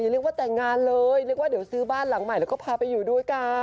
เลยนึกว่าเดี๋ยวซื้อบ้านหลังใหม่แล้วก็พาไปอยู่ด้วยกัน